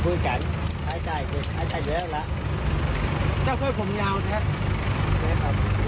ถ้าเสียหายเด้อกักรบคุยกันไฟไตไฟไตเยอะแล้ว